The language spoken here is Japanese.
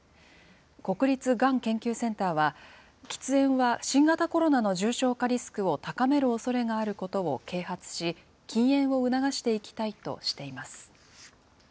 国立がん研究センターは、喫煙は新型コロナの重症化リスクを高めるおそれがあることを啓発し、禁煙を促していきたいとしています。